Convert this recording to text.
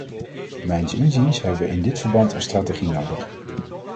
Mijns inziens hebben we in dit verband een strategie nodig.